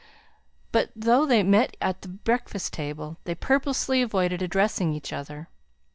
But though they met at the breakfast table, they purposely avoided addressing each other.